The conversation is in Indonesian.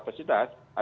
dan ada yang berbeda